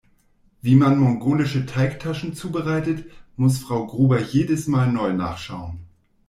Wie man mongolische Teigtaschen zubereitet, muss Frau Gruber jedes Mal neu nachschauen.